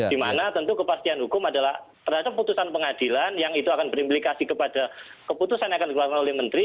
dimana tentu kepastian hukum adalah terhadap putusan pengadilan yang itu akan berimplikasi kepada keputusan yang akan dikeluarkan oleh menteri